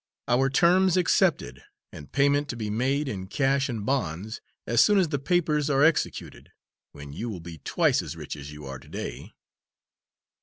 "Our terms accepted, and payment to be made, in cash and bonds, as soon as the papers are executed, when you will be twice as rich as you are to day."